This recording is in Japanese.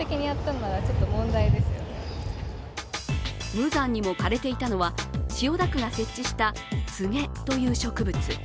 無残にも枯れていたのは、千代田区が設置した、つげという植物。